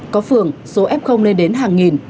có phường số f lên đến hàng nghìn